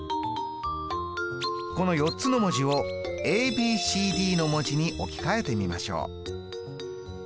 この４つの文字をｂｃｄの文字に置き換えてみましょう。